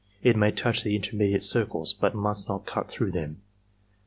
It may touch the intermediate circles, but must not cut through them.